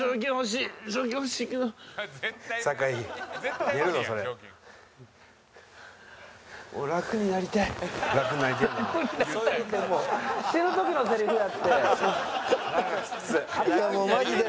いやもうマジで。